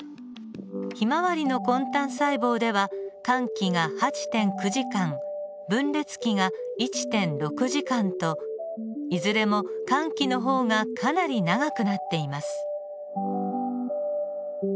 ヒマワリの根端細胞では間期が８．９時間分裂期が１．６時間といずれも間期の方がかなり長くなっています。